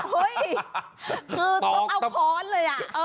เฮ้ยคือต้องเอาคอร์นเลยอ่ะ